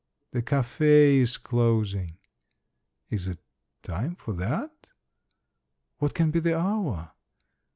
The cafe is closing. Is it time for that? What can be the hour?